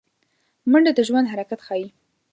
منډه د ژوند حرکت ښيي